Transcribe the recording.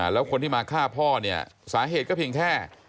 แล้วคนที่มาฆ่าพ่อเนี่ยสาเหตุก็เพียงแค่